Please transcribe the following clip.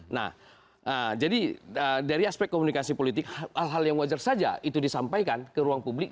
nah jadi dari aspek komunikasi politik hal hal yang wajar saja itu disampaikan ke ruang publik